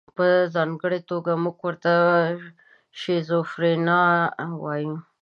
په ځانګړې توګه موږ ورته شیزوفرنیا وایو.